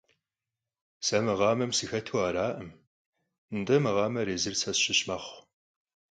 Сэ макъамэм сыхэту аракъым, атӀэ макъамэр езыр сэ сщыщ мэхъу.